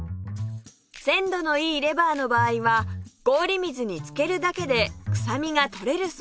鮮度のいいレバーの場合は氷水につけるだけで臭みが取れるそう